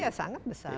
iya sangat besar